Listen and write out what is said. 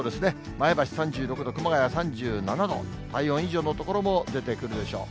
前橋３６度、熊谷３７度、体温以上の所も出てくるでしょう。